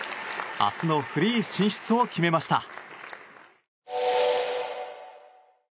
明日のフリー進出を決めました。